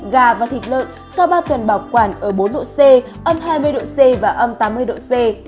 gà và thịt lợn sau ba tuần bảo quản ở bốn độ c âm hai mươi độ c và âm tám mươi độ c